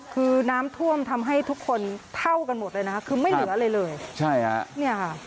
คือน้ำท่วมทำให้ทุกคนเท่ากันหมดเลยนะคือไม่เหลืออะไรเลย